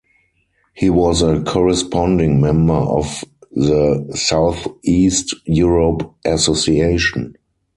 He was a corresponding member of the Southeast Europe Association.